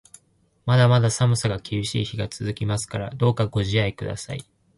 まだまだ寒さが厳しい日が続きますから、どうかご自愛ください。